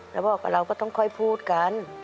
แล้วบอกกับเราก็ต้องค่อยพูดกัน